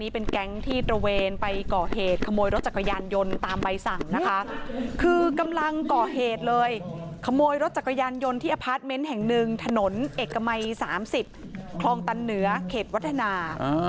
แผนแห่งหนึ่งถนนเอกมัย๓๐คลองตันเหนือเขตวัฒนา